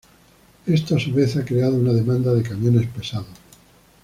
Esto a su vez ha creado una demanda de camiones pesados.